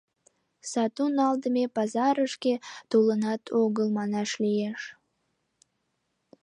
Сату налдыме пазарышке толынат огыл, манаш лиеш.